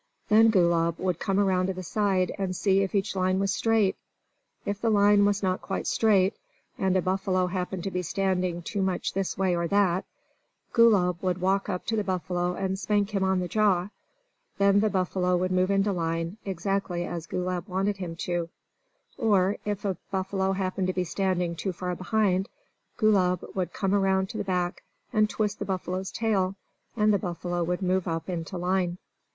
Then Gulab would come around to the side, and see if each line was straight. If the line was not quite straight, and a buffalo happened to be standing too much this way or that, Gulab would walk up to the buffalo and spank him on the jaw. Then the buffalo would move into line, exactly as Gulab wanted him to do. Or, if a buffalo happened to be standing too far behind, Gulab would come around to the back and twist the buffalo's tail, and the buffalo would move up into line.